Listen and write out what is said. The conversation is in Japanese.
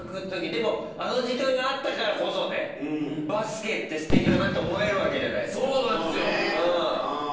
でもあの時間があったからこそバスケってステキだなって思えるわけじゃないっすか。